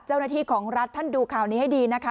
เจ้าหน้าที่ของรัฐท่านดูข่าวนี้ให้ดีนะคะ